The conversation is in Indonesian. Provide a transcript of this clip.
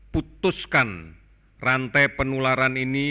putuskan rantai penularan ini